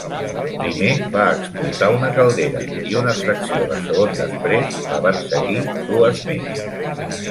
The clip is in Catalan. Primer va explotar una caldera i una fracció de segon després la van seguir dues més.